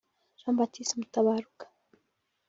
Jean Baptiste Mutabaruka